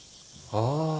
ああ。